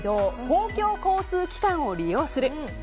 公共交通機関を利用する。